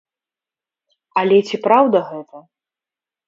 Але ці праўда гэта?